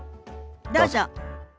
どうぞ。